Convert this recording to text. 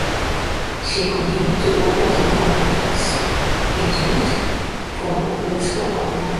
She continued to work as an advance agent for musical performers.